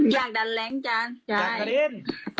อยากดันแหลงจานจานกระดิ้น